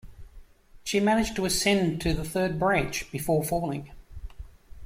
She managed to ascend to the third branch, before falling.